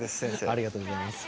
ありがとうございます。